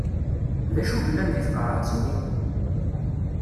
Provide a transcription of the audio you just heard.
D acu yellan deg tqerεet-nni?